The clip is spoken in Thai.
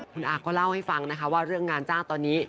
คุณอาก็เล่าให้ฟังนะคะว่าเรื่องงานจ้างตอนนี้